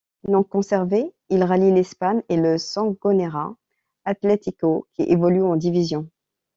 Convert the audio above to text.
Non conservé, il rallie l'Espagne et le Sangonera Atlético qui évolue en division.